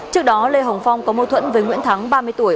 trước đó lê hồng phong có mâu thuẫn với nguyễn thắng ba mươi tuổi